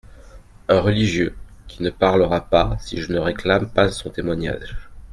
—«Un religieux … qui ne parlera pas, si je ne réclame pas son témoignage.